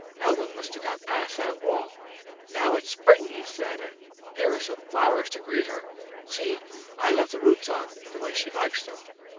"Helma must have gotten past that wall, now it's spring," he said; "and here are some flowers to greet her. See, I left the roots on, the way she likes them.